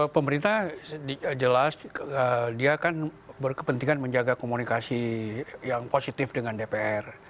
pemerintah jelas dia kan berkepentingan menjaga komunikasi yang positif dengan dpr